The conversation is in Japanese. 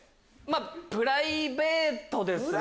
プライベートですね。